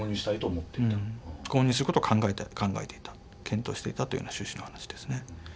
購入することを考えていた検討していたというような趣旨の話ですね。